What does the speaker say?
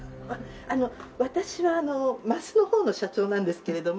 あの私は升の方の社長なんですけれども。